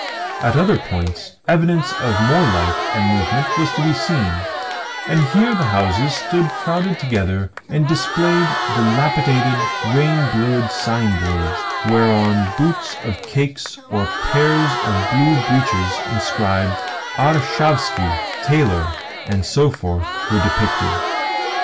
At other points evidence of more life and movement was to be seen, and here the houses stood crowded together and displayed dilapidated, rain blurred signboards whereon boots or cakes or pairs of blue breeches inscribed "Arshavski, Tailor," and so forth, were depicted.